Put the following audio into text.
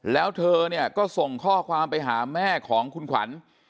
แล้วเธอเนี่ยก็ส่งข้อความไปหาแม่ของคุณขวัญ